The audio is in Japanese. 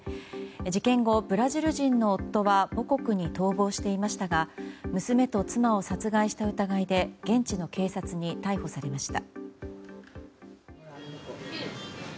事件後、ブラジル人の夫は母国に逃亡していましたが娘と妻を殺害した疑いで現地の警察に逮捕されました。